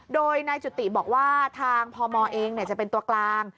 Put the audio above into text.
โดยนายจุติบอกว่าทางพมเองจะเป็นตัวกลาง